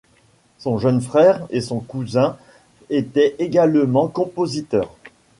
Son jeune frère et son cousin étaient également compositeurs.